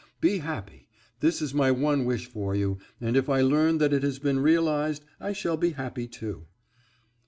Be happy; this is my one wish for you, and if I learn that it has been realized, I shall be happy too."